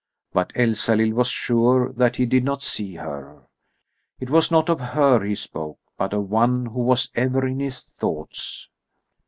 But Elsalill was sure that he did not see her. It was not of her he spoke, but of one who was ever in his thoughts.